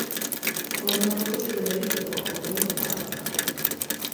そんなことするメリットはほとんどなかった